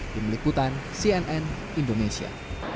di melikutan cnn indonesia